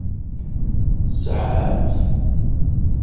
Tesɛam-t.